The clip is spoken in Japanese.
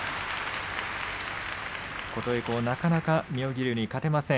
琴恵光、なかなか妙義龍に勝てません。